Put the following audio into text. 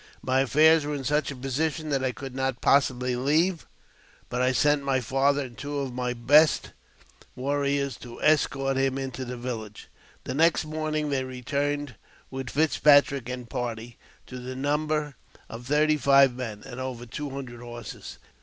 My affairs were in such a position ■that I could not possibly leave, but I sent my father and two of my best warriors to escort him into the village. The next morning they returned with Fitzpatrick and party, to the number of thirty five men, and over two hundred horses.